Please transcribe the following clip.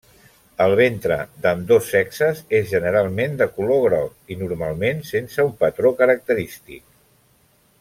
El ventre d'ambdós sexes és, generalment, de color groc i, normalment, sense un patró característic.